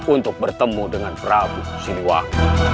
untuk bertemu dengan prabu siliwah